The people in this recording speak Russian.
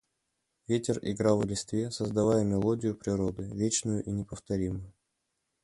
Ветер играл в листве, создавая мелодию природы, вечную и неповторимую.